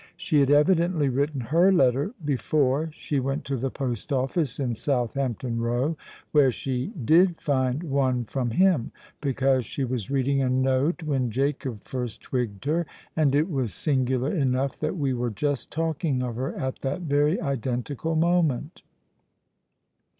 "She had evidently written her letter before she went to the post office in Southampton Row, where she did find one from him—because she was reading a note when Jacob first twigged her. And it was singular enough that we were just talking of her at that very identical moment."